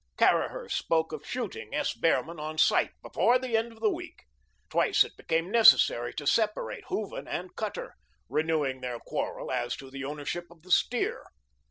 Caraher spoke of shooting S. Behrman on sight before the end of the week. Twice it became necessary to separate Hooven and Cutter, renewing their quarrel as to the ownership of the steer.